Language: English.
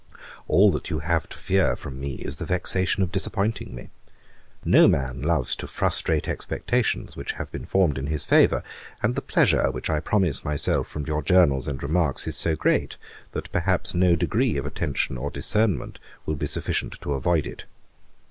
'All that you have to fear from me is the vexation of disappointing me. No man loves to frustrate expectations which have been formed in his favour; and the pleasure which I promise myself from your journals and remarks is so great, that perhaps no degree of attention or discernment will be sufficient to afford it.